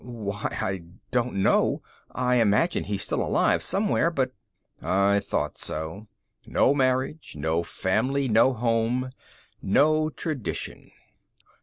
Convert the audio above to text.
"Why I don't know. I imagine he's still alive somewhere, but " "I thought so. No marriage. No family. No home. No tradition."